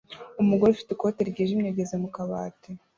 Umugore ufite ikoti ryijimye ageze mu kabati